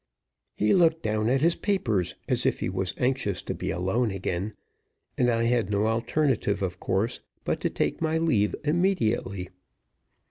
He looked down at his papers as if he was anxious to be alone again, and I had no alternative, of course, but to take my leave immediately.